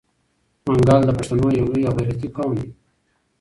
منګل د پښتنو یو لوی او غیرتي قوم دی.